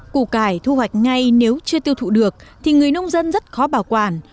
củ cải thu hoạch ngay nếu chưa tiêu thụ được thì người nông dân rất khó bảo quản